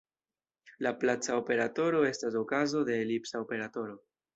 Laplaca operatoro estas okazo de elipsa operatoro.